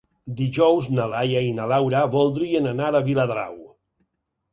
Dijous na Laia i na Laura voldrien anar a Viladrau.